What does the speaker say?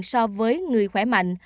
so với người khỏe mạnh